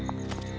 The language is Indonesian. ada apa ayah